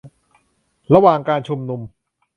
ระหว่างการชุมนุม